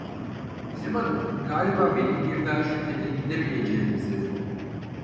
Bizim hanım galiba benim bir daha şirkete gidemeyeceğimi sezdi…